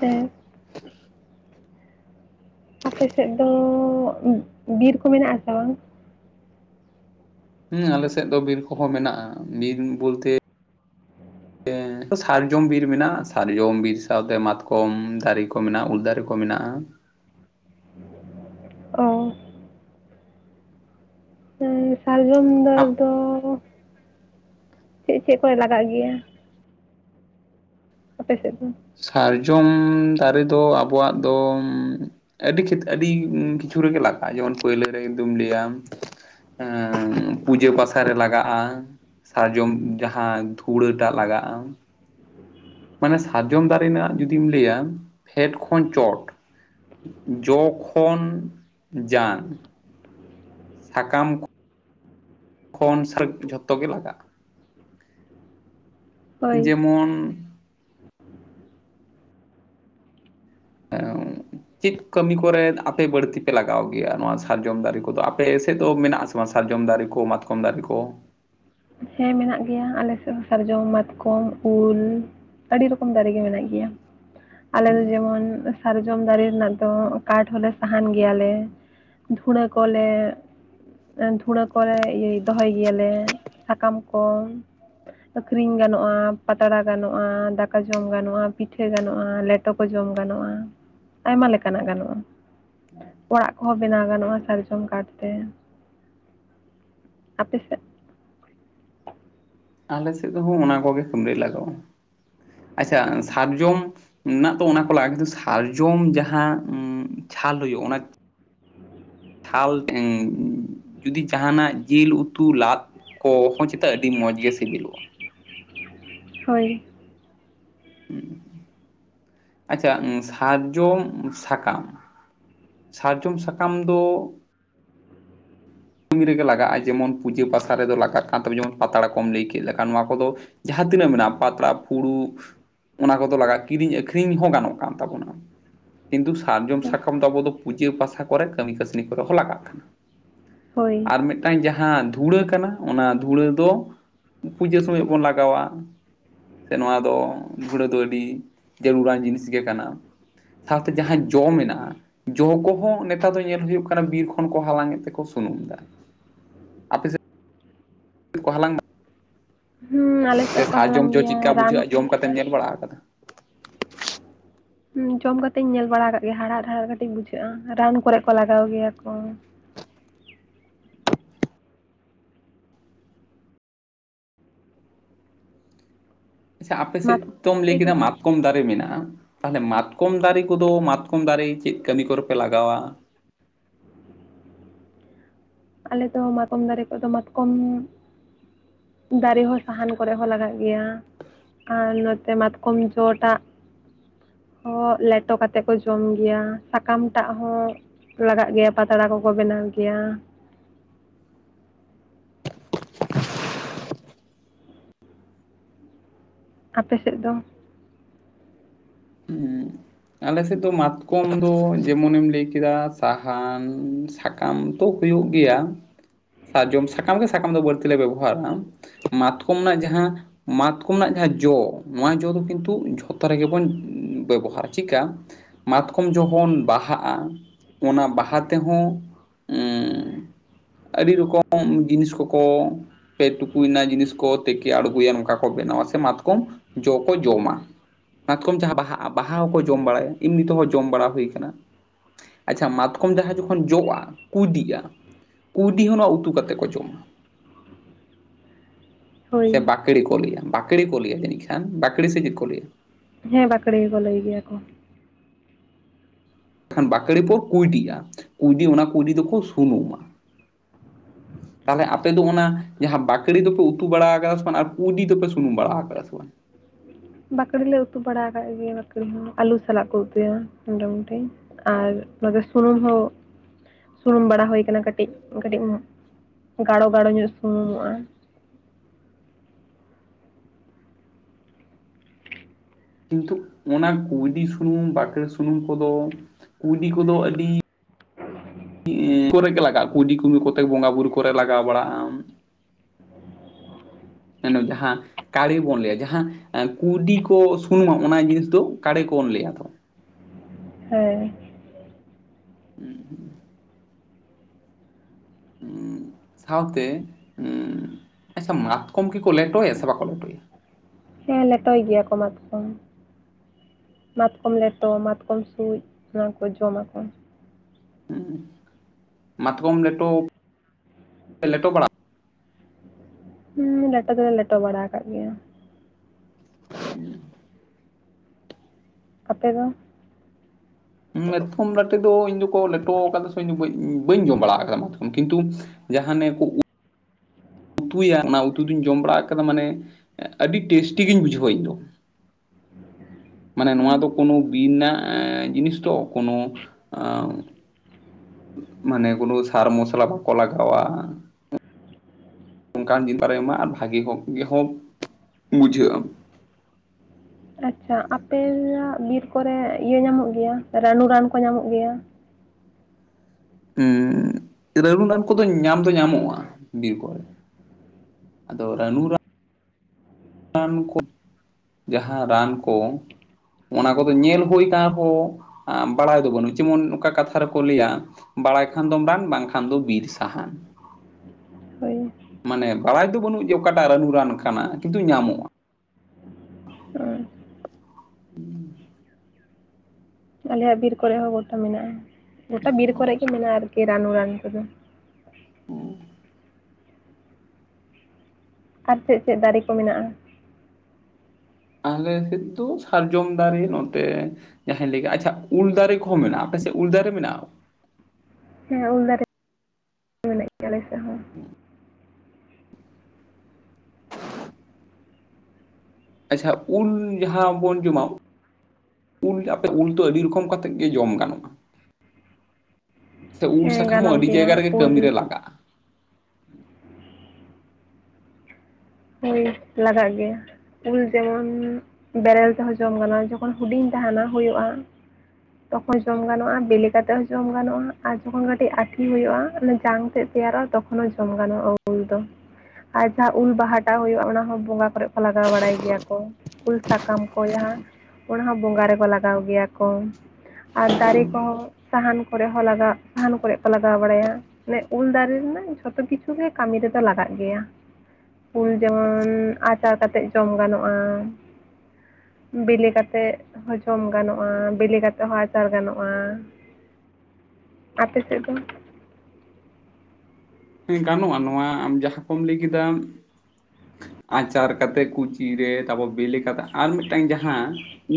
ᱦᱮᱸ ᱟᱯᱮ ᱥᱮᱫ ᱫᱚ ᱵᱤᱨ ᱠᱚ ᱢᱮᱱᱟᱜ ᱟᱥᱮ ᱵᱟᱝ? ᱦᱩᱸ ᱟᱞᱮᱮᱥᱮᱫ ᱫᱚ ᱵᱤᱨ ᱠᱚᱦᱚᱸ ᱢᱮᱱᱟᱜᱼᱟ᱾ ᱵᱤᱨ ᱵᱚᱞᱛᱮ ᱥᱟᱨᱡᱚᱢ ᱵᱤᱨ ᱢᱮᱱᱟᱜᱼᱟ ᱾ ᱥᱟᱨᱡᱚᱢ ᱵᱤᱨ ᱥᱟᱶᱛᱮ ᱢᱟᱛᱠᱚᱢ, ᱠᱚ ᱢᱮᱱᱟᱜᱼᱟ ᱩᱞ ᱫᱟᱨᱮ ᱠᱚ ᱢᱮᱱᱟᱜᱼᱟ᱾ ᱚ ᱮᱸ, ᱥᱟᱨᱡᱚᱢ ᱫᱟᱨᱮ ᱫᱚ ᱪᱮᱫ, ᱪᱮᱫ ᱠᱚᱭ ᱞᱟᱜᱟ-ᱜ ᱜᱮᱭᱟ᱾ ᱟᱯᱮ ᱥᱮᱫ ᱫᱚ ᱥᱟᱨᱡᱚᱢ ᱫᱟᱨᱮ ᱫᱚ, ᱟᱵᱚᱣᱟ-ᱜ ᱫᱚᱢ ᱟᱹᱰᱤ ᱠᱷᱮᱛ ᱟᱹᱰᱤ ᱠᱤᱪᱷᱩ ᱨᱮᱜᱮ ᱞᱟᱜᱟᱜᱼᱟ᱾ ᱡᱮᱢᱚᱱ ᱯᱳᱭᱞᱳ ᱨᱮ ᱡᱩᱫᱤᱢ ᱞᱟᱹᱭᱟ᱾ ᱦᱩᱸ ᱯᱩᱡᱟᱹᱯᱟᱥᱟ ᱨᱮ, ᱞᱟᱜᱟᱜᱼᱟ᱾ ᱥᱟᱨᱡᱚᱢ ᱡᱟᱦᱟᱸ ᱫᱷᱩᱲᱟᱹᱴᱟᱜ ᱞᱟᱜᱟᱜᱼᱟ᱾ ᱢᱟᱱᱮ ᱥᱟᱨᱡᱚᱢ ᱫᱟᱨᱮ ᱨᱮᱱᱟ-ᱜ ᱡᱩᱫᱤᱢ ᱞᱟᱹᱭᱟ᱾ ᱯᱷᱮᱰ ᱠᱷᱚᱱ ᱪᱚᱴ ᱡᱚ ᱠᱷᱚᱱ ᱡᱟᱝ᱾ ᱥᱟᱠᱟᱢ ᱠᱚ ᱠᱷᱚᱱ [unintelligible] ᱡᱷᱚᱛᱚ ᱜᱮ ᱞᱟᱜᱟᱜᱼᱟ᱾ ᱦᱳᱭ ᱡᱮᱢᱚᱱ [unintelligible] ᱪᱮᱫ ᱠᱟᱹᱢᱤ ᱠᱚᱨᱮ, ᱟᱯᱮ ᱵᱟᱹᱲᱛᱤ ᱯᱮ ᱞᱟᱜᱟᱣ ᱜᱮᱭᱟ᱾ ᱱᱚᱣᱟ ᱥᱟᱨᱡᱚᱢ ᱫᱟᱨᱮ ᱠᱚᱼᱫᱚ ᱟᱯᱮ ᱥᱮᱫ ᱫᱚ ᱢᱮᱱᱟᱜ? ᱥᱚᱣᱟ ᱥᱟᱨᱡᱚᱢ ᱫᱟᱨᱮ ᱠᱚ ᱢᱟᱛᱠᱚᱢ ᱫᱟᱨᱮ ᱠᱚ᱾ ᱦᱮᱸ ᱢᱮᱱᱟᱜ ᱜᱮᱭᱟ᱾ ᱟᱞᱮ ᱥᱮᱫ ᱦᱚᱸ ᱥᱟᱨᱡᱚᱢ, ᱢᱟᱛᱠᱚᱢ, ᱩᱞ ᱟᱹᱰᱤ ᱨᱚᱠᱚᱢ ᱫᱟᱨᱮ ᱜᱮ ᱢᱮᱱᱟᱜ ᱜᱮᱭᱟ ᱾ ᱟᱞᱮ ᱫᱚ ᱡᱮᱢᱚᱱ ᱥᱟᱨᱡᱚᱢ ᱫᱟᱨᱮ ᱨᱮᱱᱟᱜ ᱫᱚ, ᱠᱟᱴᱸ ᱦᱚᱸᱞᱮ ᱥᱟᱦᱟᱱ ᱜᱮᱭᱟᱞᱮ ᱾ ᱫᱷᱽᱩᱲᱟᱹ ᱠᱚᱞᱮ ᱫᱷᱽᱩᱲᱟᱹ ᱠᱚᱞᱮ ᱤᱭᱟᱹ ᱫᱚᱦᱚᱭ ᱜᱮᱭᱟᱞᱮ ᱾ ᱥᱟᱠᱟᱢ ᱠᱚ ᱟᱹᱠᱷᱨᱤᱧ ᱜᱟᱱᱚᱜᱼᱟ, ᱯᱟᱛᱲᱟ ᱜᱟᱱᱚᱜᱼᱟ᱾ ᱫᱟᱠᱟ ᱡᱚᱢ ᱜᱟᱱᱚᱜᱼᱟ᱾ ᱯᱤᱴᱷᱟᱹ ᱜᱟᱱᱚᱜᱼᱟ ᱞᱮᱴᱸ ᱚᱴᱚ ᱠᱚ ᱡᱚᱢ ᱜᱟᱱᱚᱜᱼᱟ, ᱟᱭᱢᱟ ᱞᱮᱠᱟᱱᱟᱼᱜ ᱜᱟᱱᱚᱜᱼᱟ ᱾ ᱚᱲᱟᱜ ᱠᱚᱦᱚᱸ ᱵᱮᱱᱟᱣ ᱜᱟᱱᱚᱜᱼᱟ᱾ ᱥᱟᱨᱡᱚᱢ ᱠᱟᱨᱰᱛᱮ ᱾ ᱟᱯᱮᱥᱟᱫ? ᱟᱞᱮ ᱥᱮᱫ ᱦᱚᱸ ᱚᱱᱟ ᱠᱚᱜᱮ ᱠᱟᱹᱢᱤ ᱞᱟᱜᱟᱣᱟ᱾ ᱟᱪᱪᱷᱟ ᱥᱟᱨᱡᱚᱢ ᱢᱮᱱᱟᱜ ᱛᱚ ᱚᱱᱟ ᱠᱚ ᱞᱟᱜᱼᱟ, ᱠᱛᱩ ᱥᱟᱨᱡᱚᱢ ᱡᱟᱦᱟᱸ ᱪᱷᱟᱞ ᱦᱩᱭᱩᱜᱼᱟ ᱾ᱚᱱᱟ ᱪᱷᱟᱞᱴᱷᱮᱱ ᱡᱩᱫᱤ ᱡᱟᱦᱟᱱᱟ-ᱜ ᱡᱤᱞ ᱩᱛᱩ ᱞᱟᱫ ᱠᱚᱼᱦᱚᱸ ᱪᱮᱛᱟᱜ ᱟᱹᱰᱤ ᱢᱚᱡᱽ ᱜᱮ ᱥᱤᱵᱤᱞᱚᱜᱼᱟ ᱾ ᱦᱳᱭ ᱟᱪᱪᱷᱟ ᱥᱟᱨᱡᱚᱢ ᱥᱟᱠᱟᱢ ᱥᱟᱨᱡᱚᱢ ᱥᱟᱠᱟᱢ ᱫᱚ ᱠᱟ. ᱢᱤ ᱨᱮᱜᱮ ᱞᱟᱜᱟᱜᱼᱟ᱾ ᱡᱮᱢᱚᱱ ᱯᱩᱡᱟᱹ ᱯᱟᱥᱟ ᱨᱮᱫᱚ ᱞᱟᱜᱟᱜ ᱠᱟᱱ ᱛᱟᱵᱚ ᱾ᱡᱮᱢᱚᱱ ᱯᱟᱛᱲᱟ ᱠᱚᱢ ᱞᱟᱹᱭ ᱠᱮᱫ ᱞᱮᱠᱟ ᱱᱚᱣᱟ ᱠᱚᱼᱫᱚ ᱡᱟᱦᱟᱸ ᱛᱤᱱᱟᱹᱜ ᱢᱮᱱᱟᱜᱼᱟ᱾ ᱯᱟᱛᱲᱟ ᱯᱷᱩᱲᱩᱜ ᱚᱱᱟ ᱠᱚᱼᱫᱚ ᱞᱟᱜᱟᱜᱼᱟ ᱾ᱠᱤᱨᱤᱧ ᱟᱹᱷᱨᱤᱧ ᱦᱚᱸ ᱜᱟᱱᱚᱜ ᱠᱟᱱ ᱛᱟᱵᱚᱱᱟ ᱾ ᱠᱤᱱᱛᱩ ᱥᱟᱨᱡᱚᱢ ᱥᱟᱠᱟᱢ ᱫᱚ ᱟᱵᱚ ᱫᱚ ᱯᱩᱡᱟᱹ ᱯᱟᱥᱟ ᱠᱚᱨᱮ ᱠᱟᱹᱢᱤ ᱠᱟᱹᱥᱱᱤ ᱠᱚᱨᱮ ᱦᱚᱸ ᱞᱟᱜᱟᱜ ᱠᱟᱱᱟ ᱾ ᱦᱳᱭ᱾ ᱟᱨ ᱢᱤᱫᱴᱮᱱ ᱢᱤᱫᱴᱟᱝ ᱡᱟᱦᱟᱸ ᱫᱷᱽᱩᱲᱟᱹ ᱠᱟᱱᱟ ᱚᱱᱟ ᱫᱷᱽᱩᱲᱟᱹ ᱫᱚ ᱯᱩᱡᱟᱹ ᱥᱚᱢᱚᱭ ᱵᱚᱱ ᱞᱟᱜᱟᱣᱟ ᱾ ᱥᱮ ᱱᱚᱣᱟ ᱫᱚ ᱫᱷᱽᱩᱲᱟᱹ ᱫᱚ ᱟᱹᱰᱤ ᱡᱟᱹᱨᱩᱲᱟᱱ ᱡᱤᱱᱤᱥ ᱜᱮ ᱠᱟᱱᱟ ᱾ ᱥᱟᱶᱛᱮ ᱡᱟᱦᱟᱸ ᱡᱚ ᱢᱮᱱᱟᱜᱼᱟ ᱾ ᱡᱚ ᱠᱚᱼᱦᱚᱸ ᱱᱮᱛᱟᱨ ᱫᱚ ᱧᱮᱞ ᱦᱩᱭᱩᱜ ᱠᱟᱱᱟ᱾ ᱵᱤᱨ ᱠᱷᱚᱱ ᱠᱚ ᱦᱟᱞᱟᱝ ᱮᱫ ᱛᱮᱠᱚ ᱥᱩᱱᱩᱢ ᱮᱫᱟ ᱾ ᱠᱚ ᱦᱟᱞᱟᱝ ᱮᱫᱟ ᱦᱩᱸ, ᱟᱞᱮ ᱥᱮᱫ ᱥᱮ ᱦᱚᱸᱠᱚ ᱥᱟᱨᱡᱚᱢ ᱦᱟᱞᱟᱝ ᱡᱚ ᱜᱮᱭᱟ ᱪᱮᱫᱞᱮᱠᱟ ᱨᱟᱱ ᱵᱩᱡᱷᱟᱹᱜᱼᱟ ᱾ ᱡᱚᱢ ᱠᱟᱛᱮᱢ ᱧᱮᱞ ᱵᱟᱲᱟ ᱟᱠᱟᱫᱟ ᱾ ᱡᱚᱢ ᱠᱟᱛᱮ ᱤᱧ ᱧᱮᱞ ᱵᱟᱲᱟ ᱠᱟᱜ ᱜᱮᱭᱟ ᱦᱟᱲᱦᱟᱫ ᱦᱟᱲᱦᱟᱫ ᱠᱟᱹᱴᱤᱡ ᱵᱩᱡᱷᱟᱹᱜᱼᱟ, ᱨᱟᱱ ᱠᱚᱨᱮᱜ ᱠᱚ ᱞᱟᱜᱟᱣ ᱜᱮᱭᱟ ᱠᱚ᱾ ᱟᱪᱪᱷᱟ ᱟᱯᱮ ᱥᱮᱫ ᱢᱟᱛᱠᱚᱢ ᱛᱚᱢ ᱞᱟᱹᱭ ᱫᱟᱨᱮ ᱠᱮᱫᱟ ᱠᱚᱨᱮ ᱢᱟᱛ ᱠᱚᱢ ᱫᱟᱨᱮ ᱢᱮᱱᱟᱜᱼᱟ, ᱛᱟᱦᱚᱞᱮ ᱢᱟᱛᱠᱚᱢ ᱫᱟᱨᱮ ᱠᱚᱫᱚ ᱢᱟᱛᱠᱚᱢ ᱫᱟᱨᱮ ᱪᱮᱫ ᱠᱟᱹᱢᱤ ᱠᱚᱨᱮ ᱯᱮ ᱞᱟᱜᱟᱣᱟ? ᱟᱞᱮ ᱫᱚ ᱢᱟᱛᱠᱚᱢ ᱫᱟᱨᱮ ᱠᱚᱫᱚ ᱢᱟᱛᱠᱚᱢ ᱫᱟᱨᱮ ᱦᱚᱸ ᱥᱟᱦᱟᱱ ᱠᱚᱨᱮ ᱦᱚᱸ ᱞᱟᱜᱟᱜ ᱜᱮᱭᱟ᱾ ᱟᱨ ᱱᱚᱛᱮ ᱢᱟᱛᱠᱚᱢ ᱡᱚᱼᱴᱟᱜ ᱦᱚᱸ ᱞᱮᱴᱚ ᱠᱟᱛᱮᱜ ᱠᱚ ᱡᱚᱢ ᱜᱮᱭᱟ, ᱥᱟᱠᱟᱢ ᱴᱟᱜ ᱦᱚᱸ ᱞᱟᱜᱟᱜ ᱜᱮᱭᱟ, ᱯᱟᱛᱲᱟ ᱠᱚᱠᱚ ᱵᱮᱱᱟᱣ ᱜᱮᱭᱟ ᱾ ᱟᱯᱮ ᱥᱮᱫ ᱫᱚ? ᱦᱩᱸ᱾ ᱟᱞᱮ ᱥᱮᱫ ᱫᱚ ᱢᱟᱛᱠᱚᱢ ᱫᱚ ᱡᱮᱢᱚᱱ ᱮᱢ ᱞᱟᱹᱭ ᱠᱮᱫᱟ ᱥᱟᱦᱟᱱ ᱥᱟ ᱠᱟᱢ ᱛᱚ ᱦᱩᱭᱩᱜ ᱜᱮᱭᱟ, ᱥᱟᱨᱡᱚᱢ ᱥᱟᱠᱟᱢ ᱜᱮ ᱥᱟᱠᱟᱢ ᱫᱚ ᱵᱟᱹᱲᱛᱤ ᱞᱮ ᱵᱮᱵᱚᱦᱟᱨᱟ ᱾ ᱢᱟᱛᱠᱚᱢ ᱱᱟᱜ ᱡᱟᱦᱟᱸ ᱢᱟᱛᱠᱚᱢ ᱱᱟᱜ ᱡᱟᱦᱟᱸ ᱡᱚ, ᱱᱚᱶᱟ ᱡᱚ ᱫᱚ ᱠᱤᱱᱛᱩ ᱡᱷᱚᱛᱚ ᱨᱮᱜᱮ ᱵᱚᱱ ᱵᱮᱵᱚᱦᱟᱨᱟ᱾ ᱪᱮᱜ ᱠᱟ ᱢᱟᱛᱠᱚᱢ ᱡᱚᱠᱷᱚᱱ ᱵᱟᱦᱟᱜᱼᱟ ᱾ ᱚᱱᱟ ᱵᱟᱦᱟ ᱛᱮᱦᱚᱸ ᱩᱸᱻ ᱟᱹᱰᱤ ᱨᱚᱠᱚᱢ ᱡᱤᱱᱤᱥ ᱠᱚᱠᱚ ᱯᱮ ᱴᱩᱠᱩᱭᱱᱟ ᱡᱤᱱᱤᱥ ᱠᱚ ᱛᱮᱠᱮ ᱟᱬᱜᱚᱭᱟ ᱱᱚᱝᱠᱟ ᱠᱚ ᱵᱮᱱᱟᱣᱟ ᱥᱮ ᱢᱟᱛᱠᱚᱢ ᱡᱚ ᱠᱚ ᱡᱚᱢᱟ᱾ ᱢᱟᱛᱠᱚᱢ ᱡᱟᱦᱟᱸ ᱵᱟᱦᱟᱜᱼᱟ, ᱵᱟᱦᱟ ᱦᱚᱸᱠᱚ ᱡᱚᱢ ᱵᱟᱲᱟᱭᱟ ᱤᱢᱱᱤ ᱛᱮᱦᱚᱸ ᱡᱚᱢ ᱵᱟᱲᱟ ᱦᱩᱭ ᱟᱠᱟᱱᱟ ᱾ ᱟᱪᱪᱷᱟ ᱢᱟᱛᱠᱚᱢ ᱡᱟᱦᱟᱸ ᱡᱚᱠᱷᱚᱱ ᱡᱚᱜᱼᱟ ᱠᱩᱸᱭᱰᱤᱜᱼᱟ ᱾ ᱠᱩᱸᱭᱰᱤ ᱦᱚᱸ ᱱᱚᱶᱟ ᱩᱛᱩ ᱠᱟᱛᱮᱫ ᱠᱚ ᱡᱚᱢᱟ ᱾ ᱦᱳᱭ ᱥᱮ ᱵᱟᱠᱲᱮ ᱠᱚ ᱞᱟᱹᱭᱟ, ᱵᱟᱠᱲᱮ ᱠᱚ ᱞᱟᱹᱭᱟ ᱡᱟᱹᱱᱤᱡ ᱠᱷᱟᱱ᱾ ᱵᱟᱠᱲᱮ ᱥᱮ ᱪᱮᱫ ᱠᱚ ᱞᱟᱹᱭᱟ? ᱦᱮᱸ ᱵᱟᱠᱲᱮ ᱜᱮᱠᱚ ᱞᱟᱹᱭ ᱜᱮᱭᱟ ᱠᱚ᱾ ᱠᱷᱟᱱ ᱵᱟᱠᱲᱮ ᱯᱚᱨ ᱠᱩᱸᱭᱰᱤᱜᱼᱟ, ᱠᱩᱭᱰᱤ ᱚᱱᱟ ᱠᱩᱸᱭᱰᱤ ᱫᱚᱠᱚ ᱥᱩᱱᱩᱢᱟ᱾ [inaudible] ᱛᱟᱦᱚᱞᱮ ᱟᱯᱮ ᱫᱚ ᱚᱱᱟ ᱡᱟᱦᱟᱸ ᱵᱟᱠᱲᱮ ᱫᱚᱯᱮ ᱩᱛᱩ ᱵᱟᱲᱟ ᱠᱟᱫᱟ ᱥᱮ ᱵᱟᱝ? ᱟᱨ ᱠᱩᱸᱭᱰᱤ ᱫᱚᱯᱮ ᱥᱩᱱᱩᱢ ᱵᱟᱲᱟ ᱠᱟᱫᱟ ᱥᱮ ᱵᱟᱝ? ᱵᱟᱠᱲᱮ ᱞᱮ ᱩᱛᱩ ᱵᱟᱲᱟᱣ ᱟᱠᱟᱫ ᱜᱮᱭᱟ ᱵᱟᱹᱠᱲᱤ ᱦᱚᱸ, ᱟᱹᱞᱩ ᱥᱟᱞᱟᱜ ᱠᱚ ᱩᱛᱩᱭᱟ ᱢᱳᱚᱴᱟᱢᱩᱴᱤ᱾ ᱟᱨ ᱱᱚᱛᱮ ᱥᱩᱱᱩᱢ ᱦᱚᱸ ᱥᱩᱱᱩᱢ ᱵᱟᱲᱟ ᱦᱩᱭ ᱠᱟᱱᱟ, ᱠᱟᱹᱴᱤᱡ ᱠᱟᱹᱴᱤᱡ ᱜᱟᱲᱚ ᱜᱟᱲᱚ ᱧᱚᱜ ᱥᱩᱱᱩᱢᱚᱜᱼᱟ᱾ ᱠᱤᱱᱛᱩ ᱚᱱᱟ ᱠᱩᱸᱭᱰᱤ ᱥᱩᱱᱩᱢ ᱵᱟᱠᱲᱮ ᱥᱩᱱᱩᱢ ᱠᱚᱫᱚ ᱠᱩᱸᱭᱰᱤ ᱠᱚᱫᱚ ᱟᱹᱰᱤ ᱠᱚᱨᱮ ᱜᱮ ᱞᱟᱜᱟᱜᱼᱟ ᱠᱩᱸᱭᱰᱤ ᱠᱩᱢᱤ ᱠᱚᱛᱮ ᱵᱚᱸᱜᱟ ᱵᱩᱨᱩ ᱠᱚᱨᱮ ᱞᱟᱜᱟᱣ ᱵᱟᱲᱟᱜᱼᱟ᱾ [inaudible] ᱡᱮᱱᱚ ᱡᱟᱦᱟᱸ ᱠᱟᱲᱤ ᱵᱚᱱ ᱞᱟᱹᱭᱟ, ᱡᱟᱦᱟᱸ ᱠᱩᱸᱭᱰᱤ ᱠᱚ ᱥᱩᱱᱩᱢᱟ ᱚᱱᱟ ᱡᱤᱱᱤᱥ ᱫᱚ ᱠᱟᱲᱮ ᱠᱚᱵᱚᱱ ᱞᱟᱹᱭᱟ ᱛᱚ᱾ ᱦᱮᱸ᱾ ᱦᱩᱸ ᱦᱩᱸ᱾ ᱩᱸ ᱥᱟᱶᱛᱮ ᱩᱸ ᱟᱪᱪᱷᱟ ᱢᱟᱛᱠᱚᱢ ᱠᱤ ᱠᱚ ᱞᱮᱴᱚᱭᱟ ᱥᱮ ᱵᱟᱠᱚ ᱞᱮᱴᱚᱭᱟ? ᱦᱮᱸ ᱞᱮᱴᱚᱭ ᱜᱮᱭᱟᱠᱚ ᱢᱟᱛᱠᱚᱢ᱾ ᱢᱟᱛᱠᱚᱢ ᱞᱮᱴᱚ, ᱢᱟᱛᱠᱚᱢ ᱥᱩᱡ ᱚᱱᱟ ᱠᱚ ᱡᱚᱢ ᱟᱠᱚ ᱾ ᱢᱟᱛᱠᱚᱢ ᱞᱮᱴᱚ ᱞᱮᱴᱚ ᱵᱟᱲᱟ ᱦᱩᱸ ᱞᱮᱴᱚ ᱫᱚᱞᱮ ᱞᱮᱴᱚ ᱵᱟᱲᱟᱣ ᱟᱠᱟᱫ ᱜᱮᱭᱟ᱾ [inaudible] ᱟᱯᱮ ᱫᱚ? ᱢᱟᱛᱠᱚᱢ ᱞᱮᱴᱚ ᱫᱚ ᱤᱧ ᱫᱚᱠᱚ ᱞᱮᱴᱚ ᱠᱟᱫᱟ ᱥᱮ ᱵᱟᱹᱧ ᱡᱚᱢ ᱵᱟᱲᱟᱣ ᱠᱟᱫᱟ, ᱠᱤᱱᱛᱩ ᱡᱟᱦᱟᱱᱮ ᱠᱩ ᱩᱛᱩᱭᱟ ᱚᱱᱟ ᱩᱛᱩ ᱫᱩᱧ ᱡᱚᱢ ᱵᱟᱲᱟ ᱠᱟᱫᱟ ᱢᱟᱱᱮ [unintelligible] ᱟᱹᱰᱤ ᱴᱮᱥᱴᱤ ᱜᱤᱧ ᱵᱩᱡᱷᱟᱹᱣᱟ ᱤᱧ ᱫᱚ᱾ ᱢᱟᱱᱮ ᱱᱚᱣᱟ ᱚ ᱫᱚ ᱠᱳᱱᱳ ᱵᱤᱱ ᱱᱟᱜ ᱡᱤᱱᱤᱥ ᱛᱚ ᱠᱳᱱᱳ [unintelligible] ᱢᱟᱱᱮ ᱠᱳᱱᱳ ᱥᱟᱨ ᱢᱚᱥᱞᱟ ᱵᱟᱠᱚ ᱞᱟᱜᱟᱣᱟ ᱚᱱᱠᱟᱱ [unintelligible] ᱮᱢᱟ ᱟᱨ ᱵᱷᱟᱜᱮ [unintelligible] ᱦᱚᱸ ᱵᱩᱡᱷᱟᱹᱜᱼᱟ ᱟᱪᱪᱷᱟ ᱟᱯᱮᱭᱟᱜ ᱵᱤᱨ ᱠᱚᱨᱮ ᱤᱭᱟᱹ ᱧᱟᱢᱚᱜ ᱜᱮᱭᱟ, ᱨᱟᱱᱩ ᱨᱟᱱ ᱠᱚ ᱧᱟᱢᱚᱜ ᱜᱮᱭᱟ? ᱦᱩ ᱨᱟᱹᱱᱩ ᱨᱟᱱ ᱠᱚᱫᱚ ᱧᱟᱢ ᱫᱚ ᱧᱟᱢᱚᱜᱼᱟ, ᱵᱤᱨ ᱠᱚᱨᱮ ᱟᱫᱚ ᱨᱟᱱᱩ ᱨᱟᱱ ᱨᱟᱱ ᱠᱚ, ᱡᱟᱦᱟᱸ ᱨᱟᱱ ᱠᱚ ᱚᱱᱟ ᱠᱚᱫᱚ ᱧᱮᱞ ᱦᱳᱭ ᱠᱟᱱ ᱦᱚ ᱟ ᱵᱟᱲᱟᱭ ᱫᱚ ᱵᱟᱹᱱᱩᱜ, ᱡᱮᱢᱚᱱ ᱚᱠᱟ ᱠᱟᱛᱷᱟ ᱨᱮᱠᱚ ᱞᱟᱹᱭᱟ ᱵᱟᱲᱟᱭ ᱠᱷᱟᱱ ᱫᱚᱢ ᱨᱟᱱ, ᱵᱟᱝᱠᱷᱟᱱ ᱫᱚ ᱵᱤᱨ ᱥᱟᱦᱟᱱ ᱦᱳᱭ ᱢᱟᱱᱮ ᱵᱟᱲᱟᱭ ᱫᱚ ᱵᱟᱹᱱᱩᱜ ᱡᱮ ᱚᱠᱟᱴᱟᱜ ᱨᱟᱱᱩ ᱨᱟᱱ ᱠᱟᱱᱟ, ᱠᱤᱱᱛᱩ ᱧᱟᱢᱚᱜᱼᱟ ᱦᱳᱭ ᱟᱞᱮᱭᱟᱜ ᱵᱤᱨ ᱠᱚᱨᱮ ᱦᱚᱸ ᱜᱚᱴᱟ ᱢᱮᱱᱟᱜᱼᱟ, ᱜᱚᱴᱟ ᱵᱤᱨ ᱠᱚᱨᱮ ᱜᱮ ᱢᱮᱱᱟᱜᱼᱟ ᱟᱨᱠᱤ ᱨᱟᱱ ᱨᱟᱱ ᱠᱚᱫᱚ᱾ ᱟᱨ ᱪᱮᱫ ᱪᱮᱫ ᱫᱟᱨᱮ ᱠᱚ ᱢᱮᱱᱟᱜᱼᱟ? ᱟᱞᱮ ᱥᱮᱫ ᱫᱚ ᱥᱟᱨᱡᱚᱢ ᱫᱟᱨᱮ ᱱᱚᱛᱮ ᱡᱟᱦᱟᱸᱭ ᱞᱮᱠᱟ, ᱟᱪᱪᱷᱟ ᱩᱞ ᱫᱟᱨᱮ ᱠᱚᱦᱚᱸ ᱢᱮᱱᱟᱜᱼᱟ ᱟᱯᱮᱥᱮᱫ ᱩᱞ ᱫᱟᱨᱮ ᱢᱮᱱᱟᱜᱼᱟ? ᱦᱮᱸ ᱩᱞ ᱫᱟᱨᱮ [inaudible] ᱢᱮᱱᱟᱜ ᱜᱮᱭᱟ ᱟᱞᱮᱥᱮᱜ ᱦᱚᱸ ᱟᱪᱷᱟ ᱩᱞ ᱡᱟᱦᱟᱸ ᱵᱚᱱ ᱡᱚᱢᱟ ᱩᱞ ᱟᱯᱮ ᱩᱞ ᱫᱚ ᱟᱹᱰᱤ ᱨᱚᱠᱚᱢ ᱠᱟᱛᱮᱫ ᱜᱮ ᱡᱚᱢ ᱜᱟᱱᱚᱜᱼᱟ᱾ ᱥᱮ ᱩᱞ ᱦᱮᱸ ᱥᱟᱠᱟᱢ ᱜᱟᱱᱚᱜ ᱦᱚᱸ ᱟᱹᱰᱤ ᱜᱮᱭᱟ, ᱡᱟᱭᱜᱟ ᱨᱮᱜᱮ ᱩᱞ ᱠᱟᱹᱢᱤ ᱨᱮ ᱞᱟᱜᱟᱜᱼᱟ ᱦᱳᱭ ᱞᱟᱜᱟᱜ ᱜᱮᱭᱟ ᱩᱞ ᱡᱮᱢᱚᱱ ᱵᱮᱨᱮᱞ ᱛᱮᱦᱚᱸ ᱡᱚᱢ ᱜᱟᱱᱚᱜᱼᱟ ᱡᱚᱠᱷᱚᱱ ᱦᱩᱰᱤᱧ ᱛᱟᱦᱮᱱᱟ ᱦᱳᱭᱳᱜᱼᱟ᱾ ᱛᱚᱠᱷᱚ ᱡᱚᱢ ᱜᱟᱱᱚᱜᱼᱟ ᱵᱮᱞᱮ ᱠᱟᱛᱮ ᱦᱚᱸ ᱡᱚᱢ ᱜᱟᱱᱚᱜᱼᱟ, ᱟᱨ ᱡᱚᱠᱷᱚᱱ ᱠᱟᱹᱴᱤᱡ ᱟᱹᱴᱷᱤ ᱦᱩᱭᱩᱜᱼᱟ ᱚᱱᱟ ᱡᱟᱝ ᱛᱮᱫ ᱛᱮᱭᱟᱨᱚᱜᱼᱟ ᱛᱚᱠᱷᱚᱱ ᱦᱚᱸ ᱡᱚᱢ ᱜᱟᱱᱚᱜᱼᱟ ᱩᱞ ᱫᱚ, ᱟᱨ ᱡᱟᱦᱟᱸ ᱩᱞ ᱵᱟᱦᱟ ᱴᱟᱣ ᱦᱩᱭᱩᱜᱼᱟ ᱚᱱᱟ ᱦᱚᱸ ᱵᱚᱸᱜᱟ ᱠᱚᱨᱮ ᱠᱚ ᱞᱟᱜᱟᱣ ᱵᱟᱲᱟᱭ ᱜᱮᱭᱟ ᱠᱚ ᱩᱞ ᱥᱟᱠᱟᱢ ᱠᱚ ᱡᱟᱦᱟᱸ ᱚᱱᱟ ᱦᱚᱸᱚᱸ ᱵᱚᱸᱜᱟ ᱨᱮᱠᱚ ᱞᱟᱜᱟᱣ ᱜᱮᱭᱟ ᱠᱚ ᱟᱨ ᱫᱟᱨᱮ ᱠᱚᱦᱚᱸ᱾ ᱥᱟᱦᱟᱱ ᱠᱚᱨᱮ ᱦᱚᱸ ᱞᱟᱜᱟᱜ, ᱥᱟᱦᱟᱱ ᱠᱚᱨᱮ ᱠᱚ ᱞᱟᱜᱟᱣ ᱵᱟᱲᱟᱭᱟ᱾ ᱢᱟᱱᱮ ᱩᱞ ᱫᱟᱨᱮ ᱨᱮᱱᱟᱜ ᱡᱷᱚᱛᱚ ᱠᱤᱪᱷᱩ ᱜᱮ ᱠᱟᱢᱤ ᱨᱮᱫᱚ ᱞᱟᱜᱟᱜ ᱜᱮᱭᱟ ᱩᱞ ᱡᱮᱢᱚᱱ ᱟᱪᱟᱨ ᱠᱟᱛᱮᱫ ᱡᱚᱢ ᱜᱟᱱᱚᱜᱼᱟ ᱵᱮᱞᱮ ᱠᱟᱛᱮᱫ ᱦᱚ ᱡᱚᱢ ᱜᱟᱱᱚᱜᱼᱟ ᱵᱮᱞᱮ ᱠᱟᱛᱮᱫ ᱦᱚᱸ ᱟᱪᱟᱨ ᱜᱟᱱᱚᱜᱼᱟ ᱟᱯᱮ ᱥᱮᱫ ᱫᱚ? ᱦᱮᱸ ᱜᱟᱱᱚᱜᱼᱟ ᱱᱚᱣᱟ ᱟᱢ ᱡᱟᱦᱟᱸ ᱠᱚᱢ ᱞᱟᱹᱭ ᱠᱮᱫᱟ ᱟᱪᱟᱨ ᱠᱟᱛᱮᱫ ᱠᱩᱪᱤᱨᱮ ᱛᱟᱨᱯᱚᱨ ᱵᱮᱞᱮ ᱠᱟᱛᱮᱫ ᱟᱨ ᱢᱤᱫᱴᱟᱱ ᱡᱟᱦᱟᱸ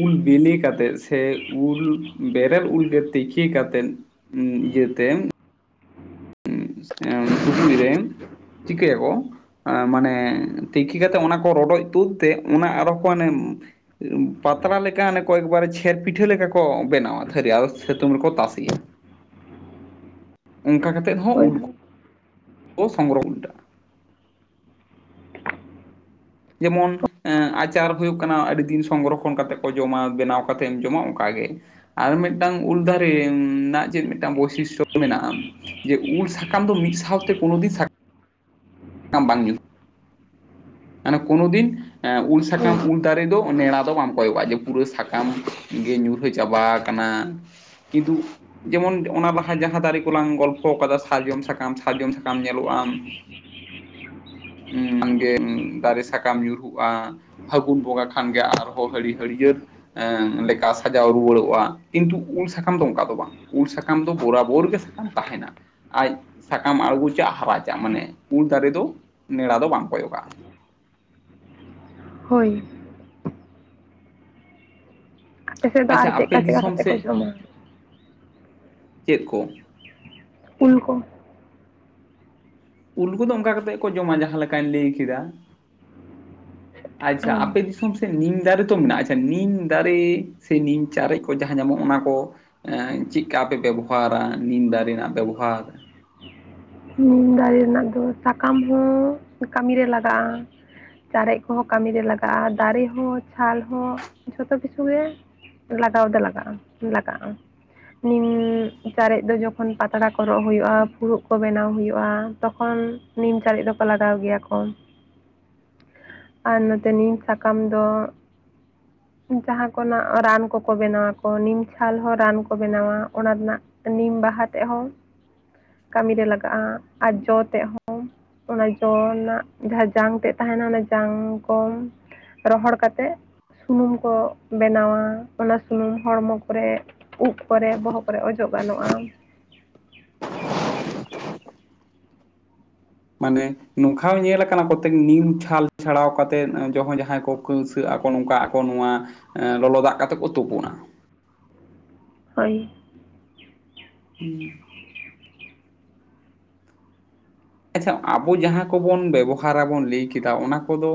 ᱩᱞ ᱵᱮᱞᱮ ᱠᱟᱛᱮᱫ ᱥᱮ ᱩᱞ ᱵᱮᱨᱮᱞ ᱩᱞ ᱜᱮ ᱛᱮᱠᱮ ᱠᱟᱛᱮᱫ ᱦᱩ ᱤᱭᱟᱹ ᱛᱮᱢ ᱴᱩᱠᱩᱡ ᱨᱮ ᱪᱤᱠᱟᱹᱭᱟᱠᱚ ᱟ ᱢᱟᱱᱮ ᱛᱮᱠᱮ ᱠᱟᱛᱮᱫ ᱚᱱᱟ ᱠᱚ ᱨᱚᱰᱚᱡ ᱛᱳᱫ ᱛᱮ ᱚᱱᱟ ᱟᱨᱚᱸ ᱠᱚ ᱚᱱᱮ ᱯᱟᱛᱲᱟ ᱞᱮᱠᱟ ᱮᱱᱮ ᱠᱚ ᱮᱠᱵᱟᱨᱮ ᱪᱷᱮᱨ ᱯᱤᱴᱷᱟᱹ ᱞᱮᱠᱟ ᱠᱚ ᱵᱮᱱᱟᱣᱟ ᱛᱷᱟᱹᱨᱤ ᱟᱨ ᱥᱮᱛᱩᱝ ᱨᱮᱠᱚ ᱛᱟᱥᱮᱭᱟ, ᱚᱱᱠᱟ ᱠᱟᱛᱮ ᱦᱚᱸ ᱦᱳᱭ ᱩᱞ ᱠᱚ [unintelligible] ᱡᱮᱢᱚᱱ ᱮᱸ ᱟᱪᱟᱨ ᱦᱩᱭᱩᱜ ᱠᱟᱱᱟ ᱟᱹᱰᱤ ᱫᱤᱱ ᱥᱚᱝᱨᱚᱠᱷᱚᱱ ᱠᱟᱛᱮᱜ ᱠᱚ ᱡᱚᱢᱟ ᱵᱮᱱᱟᱣ ᱠᱟᱛᱮ ᱮᱢ ᱡᱚᱢᱟ ᱚᱱᱠᱟᱜᱮ ᱟᱨ ᱢᱤᱫᱴᱟᱝ ᱩᱞ ᱫᱟᱨᱮ ᱱᱟᱜ ᱪᱮᱫ ᱢᱤᱫᱴᱟᱝ ᱵᱳᱭᱥᱤᱥᱴᱚ ᱢᱮᱱᱟᱜᱼᱟ ᱡᱮ ᱩᱞ ᱥᱟᱠᱟᱢ ᱫᱚ ᱢᱤᱫ ᱥᱟᱣᱛᱮ ᱠᱳᱱᱳ ᱫᱤ ᱥᱟ ᱵᱟᱝ [inaudible] ᱚᱱᱮ ᱠᱳᱱᱳ ᱫᱤᱱ ᱮᱸ ᱩᱞ ᱦᱳᱭ ᱥᱟᱠᱟᱢ ᱩᱞ ᱫᱟᱨᱮ ᱫᱚ ᱱᱮᱲᱟ ᱫᱚ ᱵᱟᱢ ᱠᱚᱭᱚᱜᱟᱜ ᱡᱮ ᱯᱩᱨᱟᱹ ᱥᱟᱠᱟᱢ ᱜᱮ ᱧᱩᱨᱦᱟᱹ ᱪᱟᱵᱟ ᱠᱟᱱᱟ ᱠᱤᱱᱛᱩ ᱡᱮᱢᱚᱱ ᱚᱱᱟ ᱞᱟᱦᱟ ᱡᱟᱦᱟᱸ ᱫᱟᱨᱮ ᱠᱚᱞᱟᱝ ᱜᱚᱞᱯᱷᱚ ᱴᱟᱫᱟ ᱥᱟᱨᱡᱚᱢ ᱥᱟᱠᱟᱢ ᱥᱟᱨᱡᱚᱢ ᱥᱟᱠᱟᱢ ᱧᱮᱞᱚᱜ ᱟᱢ ᱩᱸ ᱜᱮ ᱫᱟᱨᱮ ᱥᱟᱠᱟᱢ ᱧᱩᱨᱦᱩᱜᱼᱟ, ᱯᱷᱟᱹᱜᱩᱱ ᱵᱚᱸᱜᱟ ᱠᱷᱟᱱ ᱜᱮ ᱟᱨᱦᱚᱸ ᱦᱟᱹᱨᱤ ᱦᱟᱹᱲᱤᱭᱟᱹᱲ ᱮᱸ ᱞᱮᱠᱟ ᱥᱟᱡᱟᱣ ᱨᱩᱣᱟᱹᱲᱚᱜᱼᱟ ᱠᱤᱱᱛᱩ ᱩᱞ ᱥᱟᱠᱟᱢ ᱫᱚ ᱚᱝᱠᱟ ᱫᱚ ᱵᱟᱝ᱾ ᱩᱞ ᱥᱟᱠᱟᱢ ᱫᱚ ᱵᱚᱨᱟᱵᱚᱨ ᱜᱮ ᱥᱟᱠᱟᱢ ᱛᱟᱦᱮᱸᱱᱟ᱾ ᱟᱡ ᱥᱟᱠᱟᱢ ᱟᱲᱜᱚᱪᱟᱜ ᱦᱟᱨᱟᱪᱟᱜ ᱢᱟᱱᱮ ᱩᱞ ᱫᱟᱨᱮ ᱫᱚ ᱱᱮᱲᱟ ᱫᱚ ᱵᱟᱝ ᱠᱚᱭᱚᱜᱟᱜᱼᱟ᱾ ᱦᱳᱭ᱾ ᱟᱯᱮ ᱥᱮᱫ ᱫᱚ ᱟᱪᱪᱷᱟ ᱟᱨ ᱟᱯᱮ ᱪᱮᱫᱠᱟ ᱪᱮᱫᱠᱟ ᱫᱤᱥᱚᱢ ᱠᱟᱛᱮ ᱠᱚ ᱥᱮᱫ, ᱡᱚᱢᱟ ᱪᱮᱫ ᱠᱚ? ᱩᱞ ᱠᱚ᱾ ᱩᱞ ᱠᱚᱫᱚ ᱚᱝᱠᱟ ᱠᱟᱛᱮᱫ ᱠᱚ ᱡᱚᱢᱟ ᱡᱟᱦᱟᱸ ᱞᱮᱠᱟᱧ ᱞᱟᱹᱭ ᱠᱮᱫᱟ, ᱚ ᱟᱪᱪᱷᱟ ᱟᱯᱮ ᱫᱤᱥᱚᱢ ᱥᱮᱫ ᱱᱤᱢ ᱫᱟᱨᱮ ᱛᱚ ᱢᱮᱱᱟᱜᱼᱟ ᱟᱪᱪᱷᱟ ᱱᱤᱢ ᱫᱟᱨᱮ ᱥᱮ ᱱᱤᱢ ᱪᱟᱨᱮᱡ ᱠᱚ ᱡᱟᱦᱟᱸ ᱧᱟᱢᱚᱜ ᱚᱱᱟ ᱠᱚ ᱮᱸ ᱪᱮᱫᱠᱟ ᱯᱮ ᱵᱮᱵᱚᱦᱟᱨᱟ ᱱᱤᱢ ᱫᱟᱨᱮ ᱨᱮᱱᱟᱜ ᱵᱮᱵᱚᱦᱟᱨ? ᱱᱤᱢ ᱫᱟᱨᱮ ᱨᱮᱱᱟᱜ ᱫᱚ ᱥᱟᱠᱟᱢ ᱦᱚᱸ ᱠᱟᱹᱢᱤ ᱨᱮ ᱞᱟᱜᱟᱜᱼᱟ᱾ ᱪᱟᱨᱮᱡ ᱠᱚᱦᱚᱸ ᱠᱟᱹᱢᱤ ᱨᱮ ᱞᱟᱜᱟᱜᱼᱟ, ᱫᱟᱨᱮ ᱦᱚᱸ ᱪᱷᱟᱞ ᱦᱚᱸ ᱡᱷᱚᱛᱚ ᱠᱤᱪᱷᱩ ᱜᱮ ᱞᱟᱜᱟᱣ ᱫᱚ ᱞᱟᱜᱟᱜᱼᱟ ᱞᱟᱜᱟᱜᱼᱟ᱾ ᱩᱸ ᱪᱟᱨᱮᱡ ᱫᱚ ᱡᱚᱠᱷᱚᱱ ᱯᱟᱛᱲᱟ ᱠᱚ ᱨᱚᱜ ᱦᱩᱭᱩᱜᱼᱟ ᱯᱷᱩᱲᱩᱜ ᱠᱚ ᱵᱮᱱᱟᱣ ᱦᱩᱭᱩᱜᱼᱟ ᱛᱚᱠᱷᱚᱱ ᱱᱤᱢ ᱪᱟᱨᱤᱡ ᱫᱚᱠᱚ ᱞᱟᱜᱟᱣ ᱜᱮᱭᱟ ᱠᱚ᱾ ᱟᱨ ᱱᱚᱛᱮ ᱱᱤᱢ ᱥᱟᱠᱟᱢ ᱫᱚ ᱡᱟᱦᱟᱸ ᱠᱚᱨᱮᱱᱟᱜ ᱨᱟᱱ ᱠᱚᱠᱚ ᱵᱮᱱᱟᱣᱟᱠᱚ ᱱᱤᱢᱪᱷᱟᱞ ᱦᱚᱸ ᱨᱟᱱ ᱠᱚ ᱵᱮᱱᱟᱣᱟ ᱚᱱᱟ ᱨᱮᱱᱟᱜ᱾ ᱱᱤᱢ ᱵᱟᱦᱟ ᱛᱮᱜ ᱦᱚᱸ ᱠᱟᱹᱢᱤᱨᱮ ᱞᱟᱜᱟᱜᱼᱟ ᱟᱨ ᱡᱚ ᱛᱮᱜ ᱦᱚᱸ᱾ ᱚᱱᱟ ᱡᱚ ᱨᱮᱱᱟᱜ ᱡᱟᱦᱟᱸ ᱡᱟᱝ ᱛᱮᱫ ᱛᱟᱦᱮᱸᱱᱟ ᱚᱱᱟ ᱡᱟᱝ ᱠᱚ ᱨᱚᱦᱚᱲ ᱠᱟᱛᱮᱜ ᱥᱩᱱᱩᱢ ᱠᱚ ᱵᱮᱱᱟᱣᱟ ᱚᱱᱟ ᱥᱩᱱᱩᱢ ᱦᱚᱲᱢᱚ ᱠᱚᱨᱮᱜ ᱩᱵ ᱠᱚᱨᱮ ᱵᱚᱦᱚᱜ ᱠᱚᱨᱮ ᱚᱡᱚᱜ ᱜᱟᱱᱚᱜᱼᱟ᱾ ᱢᱟᱱᱮ ᱱᱚᱝᱠᱷᱟ ᱦᱚᱸ ᱧᱮᱞ ᱠᱟᱱᱟ ᱠᱚᱛᱮᱠ ᱱᱤᱢ ᱪᱷᱟᱞ ᱪᱷᱟᱲᱟᱣ ᱠᱟᱛᱮᱫ ᱡᱚ ᱡᱟᱦᱟᱸᱭ ᱠᱚ ᱠᱟᱹᱶᱥᱟᱹᱜ ᱟᱠᱚ ᱱᱚᱝᱠᱟ ᱟᱠᱚ ᱱᱚᱣᱟ ᱞᱚᱞᱚ ᱫᱟᱜ ᱠᱟᱛᱮ ᱠᱚ ᱛᱳᱯᱳᱱᱟ᱾ ᱦᱳᱭ᱾ ᱦᱩᱸ᱾ ᱟᱪᱪᱷᱟ ᱟᱵᱚ ᱡᱟᱦᱟᱸ ᱠᱚᱵᱚᱱ ᱵᱮᱵᱚᱦᱟᱨᱟ ᱵᱚᱱ ᱞᱟᱹᱭ ᱠᱮᱫᱟ ᱚᱱᱟ ᱠᱚᱫᱚ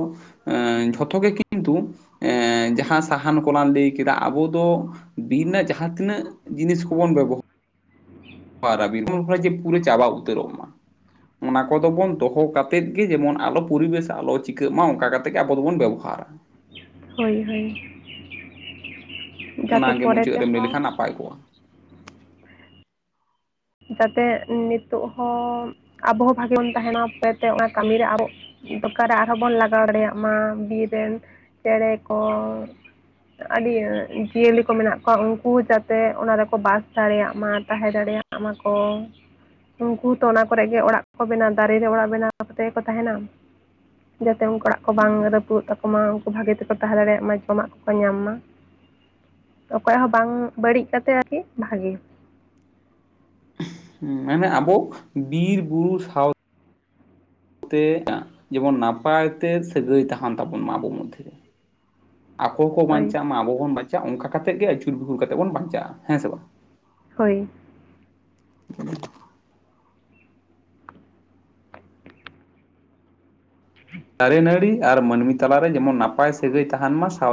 ᱮᱸ ᱡᱷᱚᱛᱚ ᱜᱮᱠᱤ ᱠᱤᱱᱛᱩ ᱮᱸ ᱡᱟᱦᱟᱸ ᱥᱟᱦᱟᱱ ᱠᱚᱞᱟᱝ ᱞᱟᱹᱭ ᱠᱮᱫᱟ ᱟᱵᱚ ᱫᱚ ᱵᱤᱨ ᱨᱮᱱᱟᱜ ᱡᱟᱦᱟᱸ ᱛᱤᱱᱟᱹᱜ ᱡᱤᱱᱤᱥ ᱠᱚᱵᱚᱱ ᱵᱮᱵᱚ ᱦᱟᱨᱟ ᱱᱚᱜᱼᱚᱭ ᱡᱮ ᱯᱩᱨᱟᱹ ᱪᱟᱵᱟ ᱩᱛᱟᱹᱨᱚᱜ ᱢᱟ᱾ ᱚᱱᱟ ᱠᱚᱫᱚ ᱵᱚᱱ ᱫᱚᱦᱚ ᱠᱟᱛᱮᱫ ᱜᱮ ᱡᱮᱢᱚᱱ ᱟᱞᱚ ᱯᱚᱨᱤᱵᱮᱥ ᱟᱞᱚ ᱪᱤᱠᱟᱹᱜ ᱢᱟ ᱚᱝᱠᱟ ᱠᱟ ᱛᱮᱜᱮ ᱟᱵᱚ ᱫᱚᱵᱚᱱ ᱵᱮᱵᱚᱦᱟᱨᱟ᱾ ᱦᱳᱭ ᱦᱳᱭ᱾ ᱡᱟᱛᱮ ᱚᱱᱟᱜᱮ ᱯᱚᱨᱮ ᱢᱩᱪᱟᱹᱫ ᱨᱮᱢ ᱞᱟᱹᱭ ᱛᱮᱦᱚᱸ ᱞᱮᱠᱷᱟᱱ ᱱᱟᱯᱟᱭ ᱠᱚᱜᱼᱟ᱾ ᱡᱟᱛᱮ ᱱᱤᱛᱚᱜ ᱦᱚᱸ ᱟᱵᱚᱦᱚᱸ ᱵᱷᱟᱜᱤ ᱵᱚᱱ ᱛᱟᱦᱮᱸᱱᱟ ᱯᱮᱛᱮ ᱚᱱᱟ ᱠᱟᱢᱤᱨᱮ ᱟᱵᱚ ᱫᱚᱠᱟᱱ ᱨᱮ ᱟᱨᱦᱚᱸ ᱵᱚᱱ ᱞᱟᱜᱟᱣ ᱫᱟᱲᱮᱭᱟᱜ ᱢᱟ ᱵᱤᱨ ᱨᱮᱱ ᱪᱮᱬᱮ ᱠᱚ ᱟᱹᱰᱤ ᱡᱤᱭᱟᱹᱞᱤ ᱠᱚ ᱢᱮᱱᱟᱜ ᱠᱚᱣᱟ ᱩᱱᱠᱩ ᱡᱟᱛᱮ ᱚᱱᱟ ᱨᱮᱠᱚ ᱵᱟᱥ ᱫᱟᱲᱮᱭᱟᱜ ᱢᱟ ᱛᱟᱦᱮᱸ ᱫᱟᱲᱮᱭᱟᱜ, ᱢᱟᱠᱚ᱾ ᱩᱱᱠᱩ ᱛᱚ ᱚᱱᱟ ᱠᱚᱨᱮ ᱜᱮ ᱚᱲᱟᱜ ᱠᱚ ᱵᱮᱱᱟᱣ ᱫᱟᱨᱮ ᱨᱮ ᱚᱲᱟᱜ ᱵᱮᱱᱟᱣ ᱠᱟᱛᱮ ᱜᱮ ᱠᱚ ᱛᱟᱦᱮᱸᱱᱟ᱾ ᱡᱟᱛᱮ ᱩᱱᱠᱚ ᱚᱲᱟᱜ ᱠᱚ ᱵᱟᱝ ᱨᱟᱹᱯᱩᱫᱚᱜ ᱛᱟᱠᱚ ᱢᱟ ᱩᱱᱠᱩ ᱵᱷᱟᱜᱮ ᱛᱮᱠᱚ ᱛᱟᱦᱮᱸ ᱫᱟᱲᱮᱭᱟᱜ ᱢᱟ ᱡᱚᱢᱟᱜ ᱠᱚᱠᱚ ᱧᱟᱢ ᱢᱟ, ᱚᱠᱚᱭᱟᱜ ᱦᱚᱸ ᱵᱟᱝ ᱵᱟᱹᱲᱤᱜ ᱠᱟᱛᱮ ᱟᱨᱠᱤ ᱵᱷᱟᱜᱮ᱾ ᱢᱟᱱᱮ ᱟᱵᱚ ᱵᱤᱨ ᱵᱩᱨᱩ ᱥᱟᱶ ᱛᱮ ᱡᱮᱢᱚᱱ ᱱᱟᱯᱟᱭ ᱛᱮ ᱥᱟᱹᱜᱟᱹᱭ ᱛᱟᱦᱮᱱ ᱛᱟᱵᱚᱱ ᱢᱟ ᱟᱵᱚ ᱢᱚᱫᱽᱷᱮ ᱨᱮ᱾ ᱟᱠᱚ ᱠᱚ ᱦᱳᱭ ᱵᱟᱧᱪᱟᱜ ᱢᱟ ᱟᱵᱚ ᱵᱚᱱ ᱵᱟᱧᱪᱟᱜ ᱚᱱᱠᱟ ᱠᱟᱛᱮᱫ ᱜᱮ ᱟᱹᱪᱩᱨ ᱵᱤᱦᱩᱨ ᱠᱟᱛᱮᱜ ᱵᱚᱱ ᱵᱟᱧᱪᱟᱜᱼᱟ ᱦᱮᱸ ᱥᱮ ᱵᱟᱝ ᱹ, ᱦᱳᱭ᱾ [inaudible] ᱫᱟᱨᱮ ᱱᱟᱹᱲᱤ ᱟᱨ ᱢᱟᱹᱱᱢᱤ ᱛᱟᱞᱟᱨᱮ ᱡᱮᱢᱚᱱ ᱱᱟᱯᱟᱭ ᱥᱟᱹᱜᱟᱹᱭ ᱛᱟᱦᱮᱸᱱ ᱢᱟ ᱥᱟᱶ,